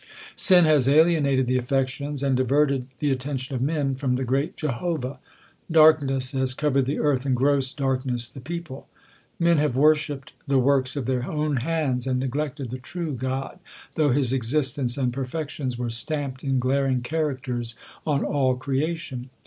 Sin has alienated the affections, and diverted the at tention of men from the great Jehovah. "Darkness lias covered the earth, and gross darkness the people." iUen have worshipped the works of their own hands, and neglected the true God, though his existence and perfections were stamped in glaring characters on all creation.